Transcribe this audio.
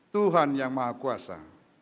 tuhan yang maha kuasa